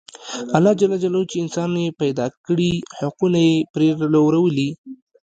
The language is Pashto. الله ج چې انسانان یې پیدا کړي حقونه یې پرې لورولي.